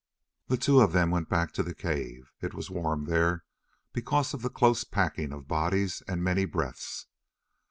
The two of them went back to the cave. It was warm there, because of the close packing of bodies and many breaths.